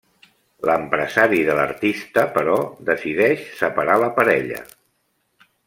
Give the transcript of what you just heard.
L'empresari de l'artista, però, decideix separar la parella.